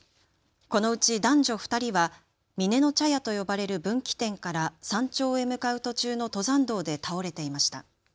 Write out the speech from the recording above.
このうち男女２人は峰の茶屋と呼ばれる分岐点から山頂へ向かう途中の登山道で倒れていました。